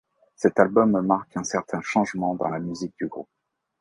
Cet album marque un certain changement dans la musique du groupe.